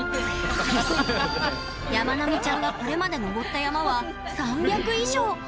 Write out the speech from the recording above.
やまなみちゃんがこれまで登った山は３００以上！